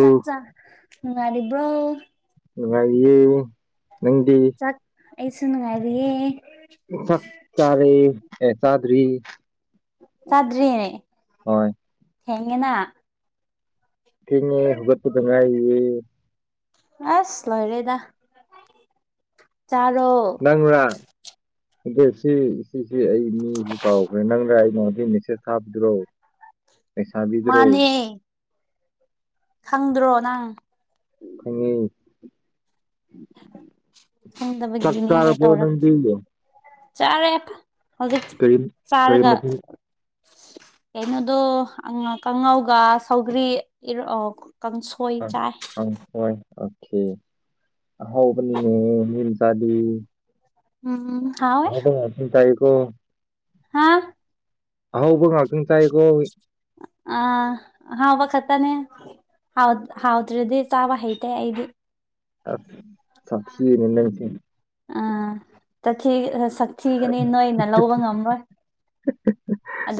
ꯆꯥꯛ ꯆꯥꯛꯉꯗꯤꯔꯤꯕ꯭ꯔꯣ ꯉꯒꯤ ꯅꯪꯗꯤ ꯆꯥꯛ ꯑꯩꯁꯨ ꯅꯨꯡꯉꯥꯏꯔꯤꯌꯦ ꯆꯥꯛ ꯆꯥꯔꯦ ꯑꯦꯁꯥꯗꯔꯤ ꯆꯥꯗ꯭ꯔꯤꯅꯦ ꯊꯦꯡꯉꯅ ꯊꯅꯤꯅꯦ ꯍꯨꯒꯄꯨ ꯇꯉꯥꯏ ꯑꯩ ꯑꯁ ꯂꯣꯏꯔꯦꯗ ꯆꯥꯔꯣ ꯅꯪꯔꯥ [unintelligible] ꯅꯗꯦ ꯁꯤ ꯁꯤꯁꯤ ꯑꯩ ꯃꯤꯁꯤ ꯀꯥꯎꯈ꯭ꯔꯦ ꯅꯪꯅ ꯑꯩꯉꯣꯟꯗ ꯃꯦꯁꯦꯁ ꯊꯥꯕꯗ꯭ꯔꯣ ꯄꯩꯁꯥ ꯗ꯭ꯔꯣꯑꯣ ꯃꯥꯅꯦ ꯈꯪꯗ꯭ꯔꯣ ꯅꯪ ꯈꯉ ꯈꯪꯗꯕꯒꯤꯅꯤꯅꯦ ꯆꯀꯥꯔ ꯇꯧꯔ ꯐꯅꯗꯤꯣ ꯆꯥꯔꯦ ꯍꯧꯖꯤꯛ ꯀꯔꯤ ꯆꯥꯔꯒ ꯃꯊꯦꯜ ꯀꯩꯅꯣꯗꯣ ꯀꯥꯡꯉꯧꯒ ꯁꯧꯒ꯭ꯔꯤꯔ ꯀꯥꯡꯁꯣꯏ ꯆꯥꯏ ꯍꯥꯎꯕꯅꯦ ꯃꯤ ꯆꯗꯤ ꯎꯝ ꯍ ꯑꯗꯨ ꯆꯀ ꯍꯥꯥ ꯑꯍꯥꯎꯧꯕ ꯉꯥꯛꯇꯪ ꯇꯥꯏꯀꯣ ꯑ ꯍꯥꯎꯕ ꯈꯠꯇꯅꯦ ꯍꯥꯎ ꯍꯥꯎꯗ꯭ꯔꯗꯤ ꯆꯥꯕ ꯍꯩꯇꯦ ꯑꯩꯗꯤ ꯑ ꯁꯥꯈꯤꯅꯦ ꯑꯥꯊ ꯁꯛ ꯊꯤꯒꯅꯤ ꯅꯣꯏꯅ ꯂꯧꯕ ꯉꯝꯃꯣꯏ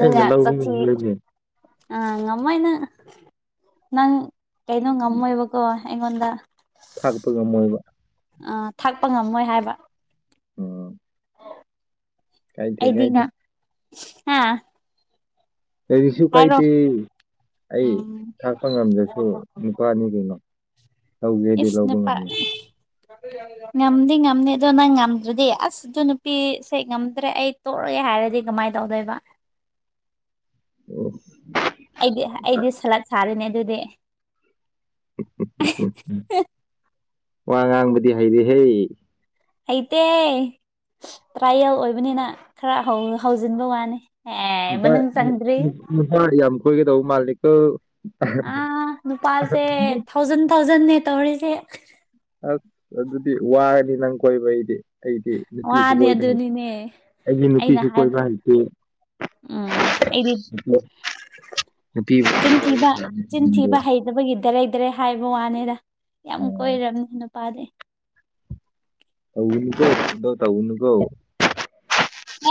ꯑꯩꯅ ꯂꯧꯕ ꯆꯊꯤ ꯉꯝꯂꯣꯏꯅꯦ ꯑꯥ ꯉꯝꯃꯣꯏꯅ ꯅꯪ ꯀꯩꯅꯣ ꯉꯝꯃꯣꯏꯕꯀꯣ ꯑꯩꯉꯣꯟꯗ ꯊꯥꯛꯄꯒ ꯃꯣꯏꯕ ꯑ ꯊꯥꯛꯄ ꯉꯝꯃꯣꯏ ꯍꯥꯏꯕ ꯑꯣꯝ ꯀꯥꯏ ꯇ ꯀꯥꯏ ꯇ ꯑꯥ ꯀꯔꯤꯁꯨ ꯀꯥꯏꯗꯦ ꯑꯩ ꯎꯝ ꯊꯥꯛꯄ ꯉꯝꯗ꯭ꯔꯁꯨ ꯅꯨꯄꯥꯅꯤ ꯀꯩꯅꯣ ꯂꯧꯒꯦꯗꯤ ꯂꯧꯕ ꯏꯅꯦꯄꯥꯔ ꯉꯝꯃꯤ ꯉꯝꯗꯤ ꯉꯝꯅꯤ ꯑꯗꯣ ꯅꯪ ꯉꯝꯗ꯭ꯔꯗꯤ ꯑꯁ ꯑꯗꯨ ꯅꯨꯄꯤꯁꯦ ꯉꯝꯗ꯭ꯔꯦ ꯑꯩ ꯇꯣꯛ ꯍꯥꯏꯔꯗꯤ ꯀꯃꯥꯏꯅ ꯇꯧꯗꯣꯏꯕ ꯑꯣ ꯑꯩꯗꯤ ꯑꯩꯗꯤ ꯁꯂꯠ ꯁꯥꯔꯤꯅꯦ ꯑꯗꯨꯗꯤ ꯋꯥ ꯉꯥꯡꯕꯗꯤ ꯍꯩꯗꯤ ꯍꯩ ꯍꯇꯦ ꯇ꯭ꯔꯥꯌꯦꯜ ꯑꯣꯏꯕꯅꯤꯅ ꯈꯔ ꯍꯧꯖꯤꯟꯕ ꯋꯥꯅꯤ ꯑꯦ ꯃꯅꯨꯡ ꯆꯪꯗ꯭ꯔꯤ ꯄꯥꯥꯏꯄꯥ ꯌꯥꯝ ꯀꯨꯏꯒꯗꯧꯕ ꯃꯥꯜꯂꯤꯀ ꯑ ꯅꯨꯄꯥꯁꯦ ꯊꯥꯎꯖꯟ ꯊꯥꯎꯖꯟꯅꯦ ꯇꯧꯔꯤꯁꯦ ꯑꯁ ꯑꯗꯨꯗꯤ ꯋꯥꯔꯅꯤ ꯅꯪ ꯀꯣꯏꯕꯩꯗꯤ ꯑꯩꯗꯤ ꯅꯨꯄꯤꯁꯨ ꯋꯥꯅꯦ ꯀꯣꯏꯕ ꯍꯩ ꯑꯗꯨꯅꯤꯅꯦ ꯑꯩꯒꯤ ꯑꯩꯅ ꯅꯨꯄꯤꯁꯨ ꯍꯥꯏꯕ ꯀꯣꯏꯕ ꯍꯩꯇꯦ ꯎꯝ ꯑꯩꯗꯤ ꯅꯨꯄꯤꯕꯨ ꯋꯥꯔꯤ ꯆꯤꯟꯊꯤꯕ ꯁꯥꯟꯅꯕ ꯆꯤꯟꯊꯤꯕ ꯍꯩꯗꯕꯒꯤꯗ ꯍꯩꯗꯔꯦ ꯍꯥꯏꯕ ꯋꯥꯅꯤꯗ ꯌꯥꯝ ꯀꯣꯏꯔꯕꯅꯦ ꯅꯨꯄꯥꯗꯤ ꯎꯀꯣꯗꯧ ꯇꯎꯀꯣ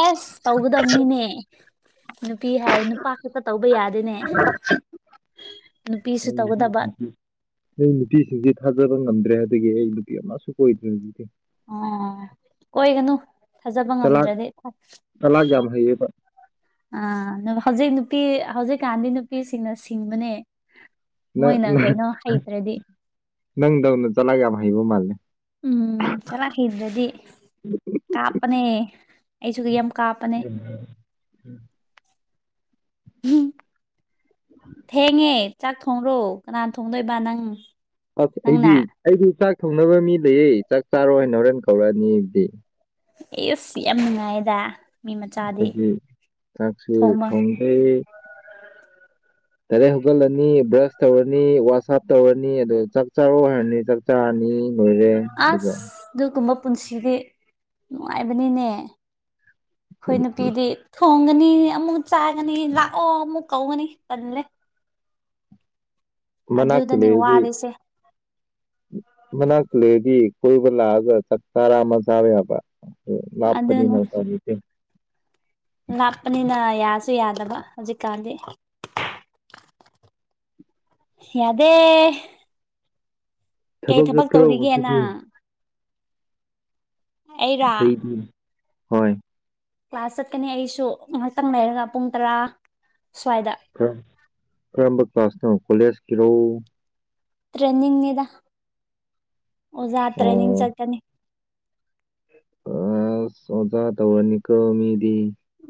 ꯑꯦꯁ ꯇꯧꯒꯗꯝꯅꯤꯅꯦ ꯅꯨ ꯅꯨꯄꯤ ꯍꯥꯏꯔꯦ ꯅꯨꯄꯥ ꯈꯛꯇ ꯇꯧꯕ ꯌꯥꯗꯣꯏꯅꯦ ꯅꯨꯄꯤꯁꯨ ꯇꯧꯒꯗꯕ ꯅ ꯅꯨꯄꯤꯁꯤꯡꯁꯦ ꯊꯥꯒꯠ ꯗ꯭ꯔꯦ ꯍꯥꯏꯕꯒꯤ ꯅꯨꯄꯤ ꯑꯃꯁꯨ ꯀꯣꯏꯗ꯭ꯔꯦ ꯍꯧꯖꯤꯛꯇꯤ ꯑ ꯀꯣꯏ ꯒꯅꯨ ꯊꯥꯖꯕ ꯆꯂꯥꯛ ꯉꯝꯗ꯭ꯔꯗꯤ ꯆꯂꯥꯛ ꯌꯥꯝ ꯍꯩꯌꯦꯕ ꯑ ꯍꯧꯖꯤꯛ ꯅꯨꯄꯤ ꯍꯧꯖꯤꯛꯀꯥꯟꯗꯤ ꯅꯨꯄꯤꯁꯤꯡꯅ ꯁꯤꯡꯕꯅꯦ ꯅꯪ ꯃꯣꯏꯅ ꯅꯪ- ꯀꯩꯅꯣ ꯍꯩꯇ꯭ꯔꯗꯤ ꯅꯪꯗꯧꯅ ꯆꯂꯒ ꯌꯥꯝ ꯍꯩꯕ ꯃꯥꯜꯂꯦ ꯎꯝ ꯆꯂꯥꯛ ꯍꯩꯗ꯭ꯔꯗꯤ ꯀꯥꯞꯄꯅꯦ ꯑꯩꯁꯨꯗꯤ ꯌꯥꯝ ꯀꯥꯞꯄꯅꯦ ꯎꯝ ꯎꯝ ꯊꯦꯡꯉꯦ ꯆꯥꯛ ꯊꯣꯡꯔꯣ ꯀꯅꯥꯅ ꯊꯣꯡꯗꯣꯏꯕ ꯅꯪ ꯑ ꯅꯪꯅ ꯑꯩꯗꯤ ꯑꯩꯗꯤ ꯆꯥꯛ ꯊꯣꯡꯅꯕ ꯃꯤ ꯂꯩꯌꯦ ꯆꯥꯛ ꯆꯥꯔꯣꯏ ꯍꯥꯏꯅ ꯍꯣꯔꯦꯟ ꯀꯧꯔꯛꯑꯅꯤꯕꯗꯤ ꯑꯦꯁ ꯌꯥꯝ ꯅꯨꯡꯉꯥꯏꯗ ꯃꯤ ꯃꯆꯥꯗꯤ ꯑꯩꯈꯣꯏꯗꯤ ꯆꯥꯛꯁꯨ ꯊꯣꯃ ꯇꯔꯦꯠ ꯍꯧꯀꯠꯂꯅꯤ ꯕ꯭ꯔꯁ ꯇꯧꯔꯅꯤ ꯋꯥꯁ ꯑꯞ ꯇꯧꯔꯅꯤ ꯑꯗꯣ ꯆꯥꯛ ꯆꯥꯔꯣ ꯍꯥꯏꯔꯅꯤ ꯆꯥꯛ ꯆꯥꯔꯅꯤ ꯂꯣꯏꯔꯦ ꯑꯁ ꯑꯗꯨꯒ ꯑꯗꯨꯒꯨꯝꯕ ꯄꯨꯟꯁꯤꯗꯤ ꯅꯨꯡꯉꯥꯏꯕꯅꯤꯅꯦ ꯑꯩꯈꯣꯏ ꯅꯨꯄꯤꯗꯤ ꯊꯣꯡꯒ ꯑꯃꯨꯛ ꯆꯥꯒꯅꯤ ꯂꯥꯛꯑꯣ ꯑꯃꯨꯛ ꯀꯧꯒꯅꯤ ꯇꯜꯂꯦ ꯃꯅꯥꯛ ꯑꯗꯨꯗꯅꯤ ꯀꯂꯩꯕꯤ ꯋꯥꯔꯤꯁꯦ ꯃꯅꯥ ꯀꯂꯦꯕꯤ ꯀꯣꯏꯕ ꯂꯥꯛꯑꯒ ꯆꯥꯛ ꯆꯔꯥ ꯑꯃ ꯆꯥꯛ ꯌꯥꯕ ꯂꯥꯞꯄꯅꯤꯅ ꯑꯗꯨꯅꯤ ꯎꯄꯥꯢ ꯂꯩꯇꯦ ꯂꯥꯞꯄꯅꯤꯅ ꯌꯥꯁꯨ ꯌꯥꯗꯕ ꯍꯧꯖꯤꯛꯀꯥꯟꯗꯤ ꯌꯥꯗꯦ ꯀꯩ ꯊꯕꯛ ꯆꯠꯇ꯭ꯔꯣ ꯇꯧꯔꯤꯒꯦ ꯉꯁꯤꯗꯤ ꯅꯪ ꯑꯩꯔ ꯑꯩꯗꯤ ꯍꯣꯏ ꯀ꯭ꯂꯥꯁ ꯆꯠꯀꯅꯤ ꯑꯩꯁꯨ ꯉꯥꯏꯍꯥꯛꯇꯪ ꯂꯩꯔꯒ ꯄꯨꯡ ꯇꯔꯥ ꯁ꯭ꯋꯥꯏꯗ ꯀꯔꯝꯕ ꯀ꯭ꯂꯥꯁꯅꯣ ꯀꯣꯂꯦꯖꯀꯤꯔꯣ ꯇ꯭ꯔꯦꯅꯤꯡꯅꯤꯗ ꯑꯣꯖꯥ ꯇ꯭ꯔꯦꯅꯤꯡ ꯆꯠꯀꯅꯤ ꯑ ꯑꯣꯖ ꯇꯧꯕꯅꯤꯀꯣ ꯃꯤꯗꯤ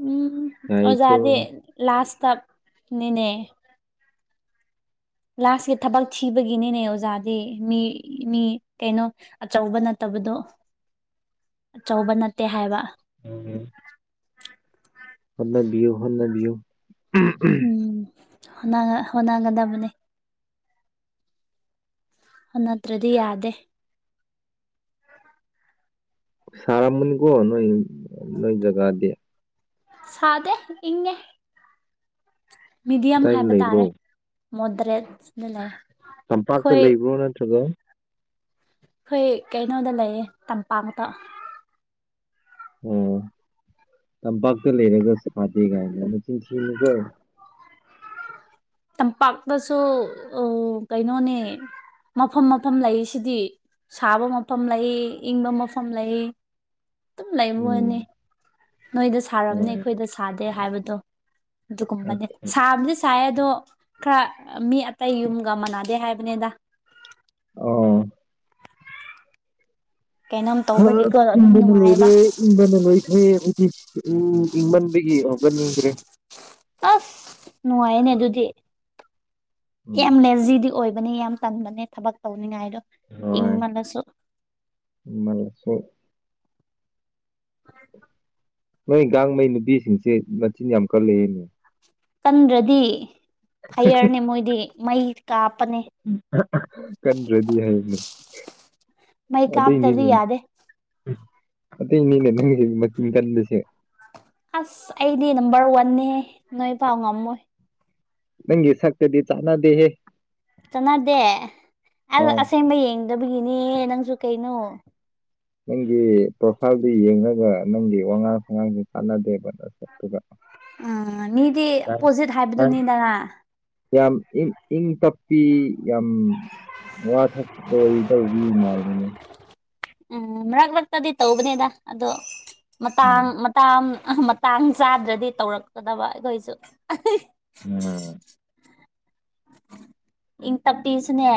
ꯎꯝ ꯑꯣꯖꯥꯗꯦ ꯂꯥꯁꯇ ꯅꯤꯅꯦ ꯂꯥꯁꯀꯤ ꯊꯕꯛ ꯊꯤꯕꯒꯤꯅꯤꯅꯦ ꯑꯣꯖꯥꯗꯤ ꯃꯤ ꯃꯤ ꯀꯩꯅꯣ ꯑꯆꯧꯕ ꯅꯠꯇꯕ ꯍꯥꯏꯕꯗꯣ ꯑꯆꯧꯕ ꯅꯠꯇꯦ ꯍꯥꯏꯕ ꯎꯝ ꯍꯣꯠꯅꯕꯤꯌꯨ ꯍꯣꯠꯅꯕꯤꯌꯨ ꯎꯝ ꯍꯣꯅꯥꯒ ꯍꯣꯅꯥꯒꯗꯕꯅꯦ ꯅꯠꯇ꯭ꯔꯗꯤ ꯌꯥꯗꯦ ꯁꯔꯥ ꯃꯅꯤ ꯀꯣ ꯅꯣꯏ ꯅꯣꯏ ꯖꯒꯥꯗ ꯁꯥꯗꯦ ꯏꯪꯉꯦ ꯃꯤꯗꯤꯌꯝ ꯍꯥꯏꯕ ꯇꯥꯔꯦ ꯃꯣꯗ꯭ꯔꯦꯠꯅ ꯂꯩ ꯇꯝꯄꯥꯛꯇ ꯑꯩꯈꯣꯏ ꯂꯩꯕ꯭ꯔꯣ ꯅꯠꯇ꯭ꯔꯒ ꯑꯩꯈꯣꯏ ꯀꯩꯅꯣꯗ ꯂꯩꯌꯦ ꯇꯝꯄꯥꯛꯇ ꯑꯣ ꯇꯝꯄꯥꯛꯥꯛꯇ ꯂꯩꯔꯦꯒ ꯁ ꯐꯥꯗ ꯀꯥꯟꯅ ꯆꯤꯟ ꯊꯤꯅꯨꯀꯣ ꯇꯝꯄꯥꯛꯇꯁꯨ ꯑ ꯀꯩꯅꯣꯅꯦ ꯃꯐꯝ ꯃꯐꯝ ꯂꯩꯁꯤꯗꯤ ꯁꯥꯕ ꯃꯐꯝ ꯂꯩ ꯏꯪꯕ ꯃꯐꯝ ꯂꯩ ꯇ ꯂꯩꯥꯏꯕꯅꯤ ꯅꯣꯏꯗ ꯁꯥꯔꯝꯅꯦ ꯑꯩꯈꯣꯏꯗ ꯁꯥꯗꯦ ꯍꯥꯏꯕꯗꯣ ꯑꯗꯨꯒꯨꯝꯕꯅꯦ ꯁꯥꯕꯗꯤ ꯁꯥꯏꯌꯦ ꯑꯗꯣ ꯈꯔ ꯃꯤ ꯑꯇꯩ ꯌꯨꯝꯒ ꯃꯥꯟꯅꯗꯦ ꯍꯥꯏꯕꯅꯤꯗ ꯑꯣ ꯀꯩꯅꯣꯝ ꯍꯥ ꯇꯧꯕꯒꯤꯀꯣ ꯑꯗꯨꯝ ꯏꯕꯅ ꯅꯨꯡꯉꯥꯏꯕ ꯑꯣꯈꯣꯏꯔꯦ ꯏꯟꯕꯅ ꯃꯣꯏꯈꯦ ꯎ ꯎꯝ ꯏꯃꯟꯕꯤꯒꯕꯅꯤꯗ꯭ꯔꯦ ꯑꯁ ꯅꯅꯨꯡꯉꯥꯏꯅꯦ ꯑꯗꯨꯗꯤ ꯌꯥꯝ ꯅꯦꯖꯤꯗꯤ ꯑꯣꯏꯕꯅꯦ ꯌꯥꯝ ꯇꯟꯕꯅꯦ ꯊꯕꯛ ꯇꯧꯅꯤꯡꯉꯥꯏꯗꯣ ꯏꯪꯕꯅꯁꯨ ꯁꯣ ꯑ ꯅꯣꯏ ꯒꯥꯡꯉꯩ ꯅꯨꯄꯤꯁꯤꯡꯁꯦ ꯃꯆꯤꯟ ꯌꯥꯝ ꯀꯂꯛꯑꯦꯅꯦ ꯀꯟꯗ꯭ꯔꯗꯤ ꯐꯌꯔꯅꯦ ꯃꯣꯏꯗꯤ ꯃꯩ ꯀꯥꯞ ꯀꯟꯗ꯭ꯔꯗꯤ ꯍꯥꯏꯅꯤ ꯃꯥꯏ ꯀꯥꯞ ꯇꯗꯤ ꯌꯥꯗꯦ ꯑꯇꯩꯅꯦꯅꯦ ꯅꯪ ꯃꯀꯤ ꯀꯟꯕꯁꯦ ꯑꯁ ꯑꯩꯗꯤ ꯅꯝꯕꯔ ꯋꯥꯟꯅꯦ ꯅꯣꯏ ꯄꯥꯎ ꯉꯝꯃꯣꯏ ꯅꯪꯒꯤ ꯁꯛꯛꯇꯗꯤ ꯆꯥꯅꯥ ꯗꯦꯍꯦ ꯆꯥꯟꯅꯗꯦ ꯑ ꯑꯁꯦꯡꯕ ꯌꯦꯡꯗꯕꯒꯤꯅꯦ ꯅꯪꯁꯨ ꯀꯩꯅꯣ ꯅꯪꯒꯤ ꯄ꯭ꯔꯣꯐꯥꯏꯜꯗꯨ ꯌꯦꯡꯂꯡꯉꯒ ꯅꯪꯒꯤ ꯋꯥꯉꯥꯡ ꯁꯉꯥꯡꯁ ꯀꯥꯟꯅꯗꯦꯕ ꯅꯠꯇ ꯎꯝ ꯃꯤꯗꯤ ꯄꯣꯖꯤꯠ ꯍꯥꯏꯕꯗꯨꯅꯤꯗ ꯌꯥꯝ ꯏꯪ ꯏꯪ ꯇꯞꯄꯤ ꯌꯥꯝ ꯋꯥꯊ ꯇꯧꯕꯤ ꯃꯥꯕꯅꯦ ꯎꯝ ꯃꯔꯛ ꯃꯔꯛꯇꯗꯤ ꯇꯧꯕꯅꯤꯗ ꯑꯗꯣ ꯃꯇꯥꯡ ꯎꯝ ꯃꯇꯥꯡ ꯃꯇꯥꯡ ꯆꯥꯗ꯭ꯔꯗꯤ ꯇꯧꯔꯛꯀꯗꯕ ꯑꯩꯈꯣꯏꯁꯨ ꯎꯝ ꯏꯪ ꯇꯞꯄꯤꯁꯨꯅꯦ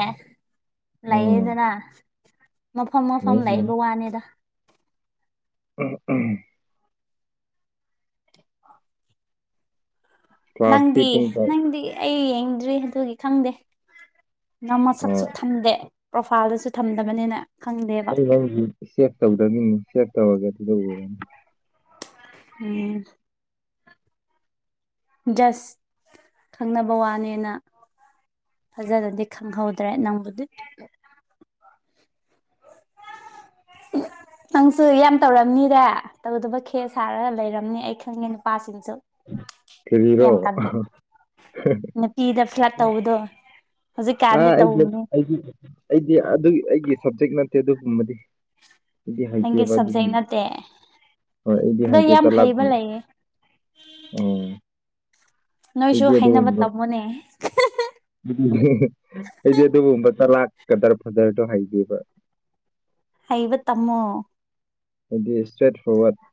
ꯎꯝ ꯂꯩꯌꯦꯗꯅ ꯃꯐꯝ ꯃꯐꯝ ꯅꯩꯅꯤꯅꯦ ꯂꯩꯕ ꯋꯥꯅꯤꯗ ꯎꯝ ꯎꯝ ꯀ꯭ꯂꯥꯁꯇꯤ ꯅꯪꯗꯤ ꯄꯨꯡ ꯀꯌꯥ ꯅꯪꯗꯤ ꯑꯩ ꯌꯦꯡꯗ꯭ꯔꯤ ꯑꯗꯨꯒꯤ ꯈꯪꯗꯦ ꯅ ꯃꯁꯛꯁꯨ ꯑꯣ ꯊꯝꯗꯦ ꯄ꯭ꯔꯣꯐꯥꯏꯜꯗꯁꯨ ꯊꯝꯗꯕꯅꯤꯅ ꯈꯪꯗꯦꯕ ꯑꯩ ꯅ ꯁꯦꯚ ꯇꯧꯗꯕꯤꯅꯤ ꯁꯦꯚ ꯇꯧꯔꯒ ꯑꯗꯨ ꯂꯧꯒꯅꯤ ꯎꯝ ꯖꯁ ꯈꯪꯅꯕ ꯋꯥꯅꯦꯅ ꯐꯖꯅꯗꯤ ꯈꯪꯍꯧꯗ꯭ꯔꯦ ꯅꯪꯕꯨꯗꯤ [inaudible] ꯅꯪꯁꯨ ꯌꯥꯝ ꯇꯧꯔꯝꯅꯤꯔ ꯇꯧꯗꯕ ꯈꯦ ꯁꯥꯔꯒ ꯂꯩꯔꯝꯅꯤ ꯑꯩ ꯈꯪꯉꯦ ꯅꯨꯄꯥꯁꯤꯡꯅ ꯌꯥꯝ ꯀꯔꯤꯔꯣ ꯀꯥꯕ ꯅꯨꯄꯤꯗ ꯐ꯭ꯂꯠ ꯇꯧꯕꯗꯣ ꯑ ꯍꯧꯖꯤꯛꯀꯥꯟꯗꯤ ꯑꯩꯗꯤ ꯇꯧꯕꯅꯦ ꯑꯩꯗꯤ ꯑꯩꯗꯤ ꯑꯗꯨꯒꯤ ꯑꯩꯒꯤ ꯁꯞꯖꯦꯛ ꯅꯠꯇꯦ ꯑꯗꯨꯒꯨꯝꯕꯗꯤ ꯏꯗꯤ ꯅꯪꯒꯤ ꯍꯥꯏꯇꯕ ꯑꯗꯨ ꯁꯕꯖꯦꯛ ꯅꯠꯇꯦ ꯍ ꯏꯗꯤ ꯑꯗꯣ ꯍꯥꯏꯇꯦ ꯌꯥꯝ ꯆ ꯍꯩꯕ ꯂꯥꯛꯅꯤ ꯂꯩꯌꯦ ꯑꯣ ꯅꯣꯏꯁꯨ ꯑꯩꯗꯤ ꯍꯥꯏꯅꯕ ꯇꯝꯃꯣꯅꯦ ꯑꯩꯗꯤꯦ ꯑꯗꯨꯒꯨꯝꯕ ꯆ ꯂꯥꯛꯀꯗ꯭ꯔ ꯐꯗ꯭ꯔꯗꯣ ꯍꯥꯏꯒꯦꯕ ꯍꯩꯕ ꯇꯝꯃꯣ ꯍꯥꯏꯗꯤ ꯏꯁꯇ꯭ꯔꯦꯠ ꯐꯣꯔꯋꯥꯔꯗ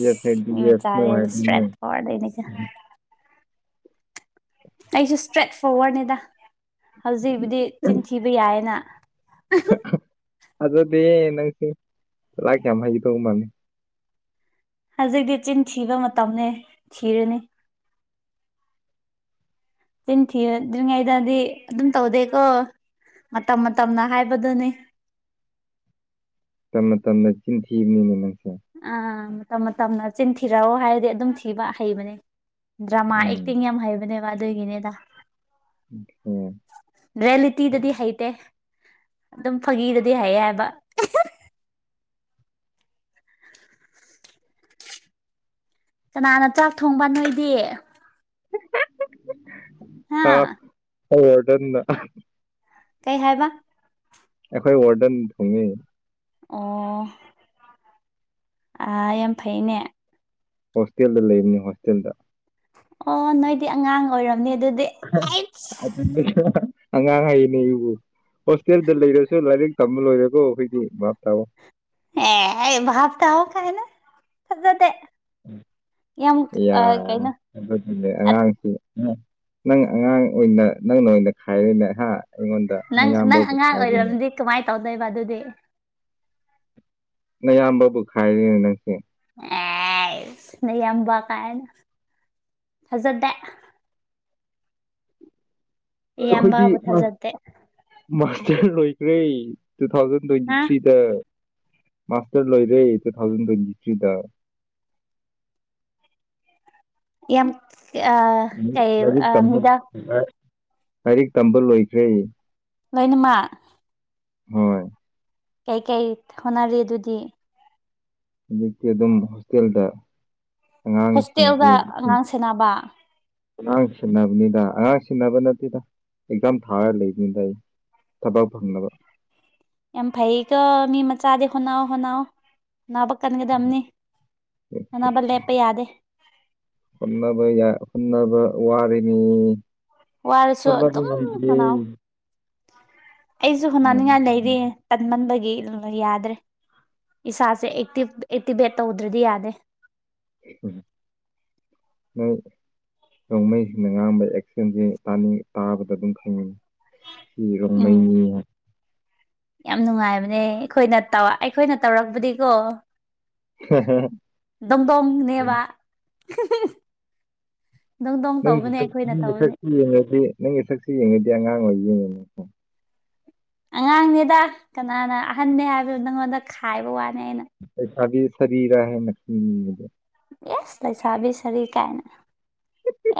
ꯁꯁ ꯃꯤ ꯅꯣ ꯃꯆꯥꯗꯤ ꯏꯁꯇ꯭ꯔꯦꯠ ꯍꯥꯏ ꯐꯣꯔꯋꯥꯔꯗꯅꯤꯒ ꯑꯩꯁꯨ ꯏꯁꯇ꯭ꯔꯦꯠ ꯐꯣꯔꯋꯥꯔꯗꯅꯤꯗ ꯍꯧꯖꯤꯛꯕꯨꯗꯤ ꯆꯤꯟꯊꯤꯕ ꯌꯥꯏꯌꯦꯅ [inaudible] ꯑꯗꯨꯗꯤ ꯅꯪꯁꯨ ꯂꯥꯛꯀꯦ ꯍꯥꯏꯗꯣꯡ ꯃꯅꯤ ꯍꯧꯖꯤꯛꯇꯤ ꯆꯤꯟ ꯊꯤꯕ ꯃꯇꯝꯅꯦ ꯊꯤꯔꯅꯤ ꯊꯤꯗ꯭ꯔꯤꯉꯩꯗꯗꯤ ꯑꯗꯨꯝ ꯇꯧꯗꯦꯀꯣ ꯃꯇꯝ ꯃꯇꯝꯅ ꯍꯥꯏꯕꯗꯨꯅꯤ ꯇ ꯇꯅ ꯆꯤꯟꯊꯤꯕꯅꯤꯅꯦ ꯅꯪꯁꯦ ꯑꯥ ꯃꯇꯝ ꯃꯇꯝꯅ ꯆꯤꯟ ꯊꯤꯔꯛꯑꯣ ꯍꯥꯏꯔꯗꯤ ꯑꯗꯨꯝ ꯊꯤꯕ ꯍꯩꯕꯅꯦ ꯗ꯭ꯔꯃꯥ ꯎꯝ ꯑꯦꯛꯇꯤꯡ ꯌꯥꯝ ꯍꯩꯕꯅꯦꯕ ꯑꯗꯨꯒꯤꯅꯦꯗ ꯍ ꯔꯤꯌꯦꯂꯤꯇꯤꯗꯗꯤ ꯍꯩꯇꯦ ꯑꯗꯨꯝ ꯐꯥꯒꯤꯗꯗꯤ ꯍꯩ ꯍꯥꯏꯕ ꯀꯅꯥꯅ ꯆꯥꯛ ꯊꯣꯡꯕ ꯅꯣꯏꯗꯤ ꯍꯥ ꯑ ꯑꯗꯅ ꯀꯩ ꯍꯥꯏꯕ ꯑꯩꯈꯣꯏ ꯋꯥꯔꯗꯟ ꯊꯣꯡꯉ ꯑꯣ ꯑ ꯌꯥꯝ ꯐꯩꯅꯦ ꯍꯣꯁꯇꯦꯜꯗ ꯂꯩꯕꯅꯤ ꯍꯣꯁꯇꯦꯜꯗ ꯑꯣ ꯅꯣꯏꯗꯤ ꯑꯉꯥꯡ ꯑꯣꯏꯔꯣ ꯍꯉꯥꯡꯉꯅꯦ ꯏꯕꯕꯨ ꯍꯣꯁꯇꯦꯜꯗ ꯂꯩꯔꯁꯨ ꯂꯥꯏꯔꯤꯛ ꯇꯝꯕ ꯂꯣꯏꯔꯒ ꯑꯩꯈꯣꯏꯗꯤ ꯚꯥꯞ ꯇꯥꯑꯣ ꯑꯦ ꯞ ꯇ ꯍꯣ ꯀꯥꯏꯅ ꯌꯥꯝ ꯌꯥ ꯑꯥ ꯀꯩꯅꯣ ꯑꯉꯥꯡꯁꯤ ꯅꯪ ꯑꯉꯥꯡ ꯑꯣꯏꯅ ꯅꯪꯅ ꯑꯣꯏꯅ ꯈꯥꯏꯔꯅꯍ ꯅꯪ ꯅꯪ ꯑꯉꯥꯡ ꯑꯣꯏꯔꯤꯕꯗꯤ ꯀꯃꯥꯏꯅ ꯇꯧꯗꯣꯏꯕ ꯑꯗꯨꯗꯤ ꯅꯌꯥꯝꯕꯕꯨ ꯈꯥꯏꯔꯤ ꯅꯪꯁꯦ ꯑꯦꯅ ꯌꯥꯝꯕ ꯀꯥꯏꯅ ꯐꯖꯗꯦ ꯑꯩꯈꯣꯏꯗꯤ ꯏꯌꯥꯝꯕꯕꯨ ꯊꯥꯖꯗꯦ ꯃꯥꯁꯇꯔ ꯂꯣꯏ ꯩ ꯇꯨ ꯊꯥꯎꯖꯟ ꯇ꯭ꯋꯦꯟꯇꯤ ꯍꯥ ꯊ꯭ꯔꯤꯗ ꯃꯥꯥꯁꯇꯔ ꯂꯣꯏꯔꯦ ꯇꯨ ꯊꯥꯎꯖꯦꯟ ꯇ꯭ꯋꯦꯟꯇꯤ ꯊ꯭ꯔꯤꯗ [inaudible] ꯌꯥꯝ ꯑ ꯀꯥꯏ ꯂꯥꯏꯔꯤꯛ ꯇꯝꯕ ꯃꯤꯗꯥ ꯂꯥꯏꯔꯤꯛ ꯇꯝꯕ ꯂꯣꯏꯈ꯭ꯔꯦ ꯂꯣꯏꯅꯃꯛ ꯍꯣꯏ ꯀꯩ ꯀꯩ ꯍꯣꯅꯔꯤꯦ ꯑꯗꯨꯗꯤ ꯍꯧꯖꯤꯛꯛꯇꯀꯤꯤ ꯑꯗꯨꯝ ꯍꯣꯁꯇꯦꯜꯗ ꯍꯣꯁꯇꯦꯜꯗ ꯑꯉꯥꯡꯁꯤꯡꯒꯤꯁ ꯑꯉꯥꯡ ꯁꯦꯟꯅꯕ ꯑꯉꯥꯡ ꯁꯤꯟꯅꯕꯅꯤꯗ ꯑꯉꯥꯡ ꯁꯤꯟꯅꯕ ꯅꯠꯇꯦꯗ ꯑꯦꯛꯖꯥꯝ ꯊꯥꯔ ꯂꯩꯕꯅꯤꯗ ꯑꯩ ꯇꯕꯛ ꯪꯂꯕ ꯌꯥꯝ ꯐꯍꯤ ꯀ ꯃꯤ ꯃꯆꯥ ꯑꯗꯦ ꯍꯣꯅꯥꯎ ꯍꯅꯥꯎ ꯑꯅꯥꯕ ꯀꯟꯒꯗꯕꯅꯤ ꯑꯅꯥꯕ ꯂꯦꯞꯄ ꯌꯥꯗꯦ ꯍꯟꯅꯕ ꯌꯥ ꯍꯟꯅꯕ ꯋꯥꯔꯅꯤ ꯋꯥꯔꯁꯨ ꯐꯂꯀꯤ ꯑꯗꯨꯝ ꯅꯦ ꯍꯣꯠꯅꯧ ꯑꯩꯁꯨ ꯍꯨꯅꯅꯤꯡꯉꯥꯏ ꯂꯩꯔꯤ ꯇꯟꯃꯟꯕ ꯌꯥꯗ꯭ꯔꯦ ꯏꯁꯥꯁꯦ ꯑꯦꯛꯇꯤꯚꯦꯠ ꯇꯧꯗ꯭ꯔꯗꯤ ꯌꯥꯗꯦ ꯎ ꯍ ꯅꯣꯡꯃꯩꯁꯤꯡꯅ ꯉꯥꯡꯝꯕ ꯑꯦꯛꯁꯦꯟꯁꯥꯅꯤꯡ ꯇꯥꯕꯗ ꯑꯗꯨꯝ ꯈꯪꯉꯤꯤ ꯁꯤ ꯎꯝ ꯔꯣꯡꯃꯩꯅꯤ ꯌꯥꯝ ꯅꯨꯡꯉꯥꯏꯕꯅꯦ ꯑꯩꯈꯣꯏꯅ ꯑꯩꯈꯣꯏꯅ ꯇꯧꯔꯛꯄꯗꯤꯀꯣ ꯗꯝ ꯗꯣꯡ ꯅꯕ ꯅꯪꯒꯤꯛ ꯅꯪꯒꯤ ꯁꯛꯁꯤ ꯌꯦꯡꯉꯗꯤ ꯅꯪꯒꯤ ꯁꯛꯁꯤ ꯌꯦꯡꯉꯗꯤ ꯑꯉꯥꯡ ꯑꯣꯏ ꯌꯦꯡꯉꯤꯅꯤ ꯑꯉꯥꯡꯅꯦꯗ ꯀꯅꯥꯅ ꯑꯍꯟꯅꯅꯦ ꯍꯥꯏꯕꯗꯨ ꯅꯪꯉꯣꯟꯗ ꯈꯥꯏꯕ ꯋꯥꯅꯦ ꯑꯩꯅ ꯑꯕꯤ ꯁꯔꯤꯔꯥꯍꯦ ꯅ ꯌꯦꯁ ꯂꯩꯁꯥꯕꯤ ꯁꯔꯤ ꯀꯥꯏꯅ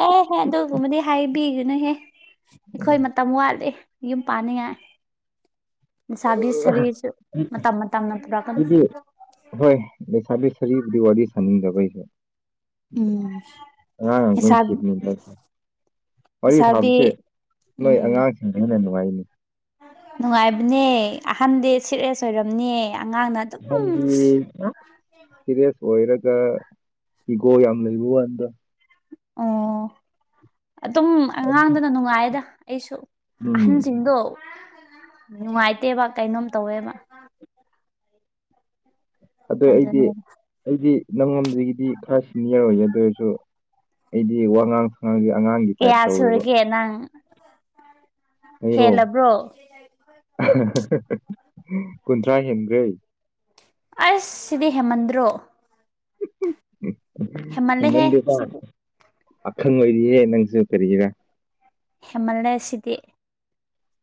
ꯑꯦꯍꯦ ꯑꯗꯨꯒꯨꯝꯕꯗꯤ ꯍꯥꯏꯕꯤꯒꯅꯨꯍꯦ ꯑꯩꯈꯣꯏ ꯃꯇꯝ ꯋꯥꯠꯂꯦ ꯌꯨꯝ ꯄꯥꯅꯤꯡꯉꯥꯏ ꯅꯤꯁꯥꯒꯤ ꯁꯔꯤꯔꯁꯨ ꯃꯇꯝ ꯃꯇꯝꯅ ꯄꯨꯔꯛꯀꯅꯤ ꯀꯔꯤꯕ ꯗꯤ ꯋꯥꯔꯤ ꯁꯥꯅꯤꯡꯗꯕꯩꯁꯦ ꯎꯝ ꯑ ꯂꯩꯁꯥ ꯉꯈꯤꯅꯤꯗ ꯋꯥꯔꯤ ꯂꯩꯁꯥꯕꯤ ꯁꯥꯕꯁꯦ ꯅꯣꯏ ꯎꯝ ꯑꯉꯥꯡꯁꯤꯡꯗ ꯍꯦꯟꯅ ꯅꯨꯡꯉꯥꯏꯅꯤ ꯅꯨꯡꯉꯥꯏꯕꯅꯦ ꯑꯍꯟꯗꯤ ꯁꯤꯠ ꯔꯦꯁ ꯑꯣꯏꯔꯝꯅꯦ ꯁꯤꯔꯦꯁ ꯑꯣꯏꯔ ꯏꯤꯒꯣ ꯌꯥꯝ ꯂꯩꯕ ꯋꯥꯅꯤꯗ ꯑꯣ ꯑꯗꯨꯝ ꯑꯉꯥꯡꯗꯅ ꯅꯨꯡꯉꯥꯏꯗ ꯑꯩꯁꯨ ꯎꯝ ꯑꯍꯟꯁꯤꯡꯗꯣ ꯅꯨꯡꯉꯥꯏꯇꯦꯕ ꯀꯩꯅꯣꯝ ꯇꯧꯋꯦꯕ ꯑꯗꯨ ꯑꯩꯗꯤ ꯑꯗꯨꯅꯦ ꯑꯩꯗꯤ ꯅꯪꯉꯝꯗꯒꯤꯗꯤ ꯈꯔ ꯁꯤꯅꯤꯌꯔ ꯑꯣꯏꯒꯦ ꯑꯗꯨ ꯑꯣꯏꯔꯁꯨ ꯑꯩꯗꯤ ꯋꯥꯉꯥꯡ ꯁꯉꯥꯡꯒꯤ ꯑꯉꯥꯡꯒꯤ ꯇꯥꯏꯞ ꯀꯌꯥ ꯇꯧꯋꯦꯕ ꯁꯨꯔꯒꯦ ꯅꯪ ꯑꯩꯔꯣ ꯍꯦꯜꯂꯕ꯭ꯔꯣ ꯀꯨꯟꯊ꯭ꯔꯥ ꯍꯦꯟꯈ꯭ꯔꯦ ꯑꯁ ꯁꯤꯗꯤ ꯍꯦꯃꯟꯗ꯭ꯔꯣ ꯍꯦꯃꯜꯂꯦꯍꯦ ꯗꯤꯄꯥ ꯁꯤꯗꯤ ꯑꯈꯪ ꯑꯣꯏꯔꯤꯌꯦ ꯅꯪꯁꯨ ꯀꯔꯒꯔ ꯍꯦꯃꯥꯂꯌꯥꯁꯤꯗꯤ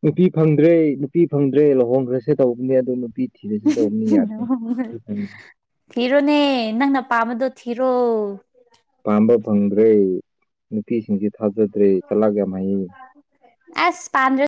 ꯅꯨꯄꯤ ꯐꯪꯗ꯭ꯔꯦ ꯅꯨꯄꯤ ꯐꯪꯗ꯭ꯔꯦ ꯂꯨꯍꯣꯡꯈ꯭ꯔꯁꯦ ꯇꯧꯕꯅꯦ ꯑꯗꯨ ꯅꯨꯄꯤ ꯊꯤꯔꯁꯦ ꯇꯧꯕꯅꯤ ꯌꯥꯗꯦ ꯊꯤꯔꯣꯅꯦ ꯅꯪꯅ ꯄꯥꯝꯕꯗꯣ ꯊꯤꯔ ꯔꯣ ꯄꯥꯝꯕ ꯐꯪꯗ꯭ꯔꯦ ꯅꯨꯄꯤꯁꯤꯡꯁꯤ ꯊꯥꯖꯗ꯭ꯔꯤ ꯆꯂꯒꯦ ꯃꯥꯌꯦ ꯑꯁ ꯄꯥꯟꯗ꯭ꯔ